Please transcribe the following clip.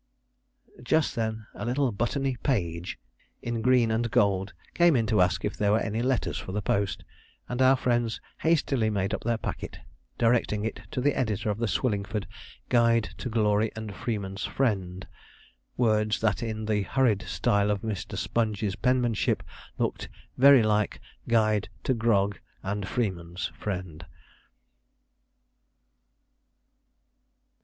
Just then a little buttony page, in green and gold, came in to ask if there were any letters for the post; and our friends hastily made up their packet, directing it to the editor of the Swillingford 'GUIDE TO GLORY AND FREEMAN'S FRIEND'; words that in the hurried style of Mr. Sponge's penmanship looked very like 'GUIDE TO GROG, AND FREEMAN'S FRIEND.'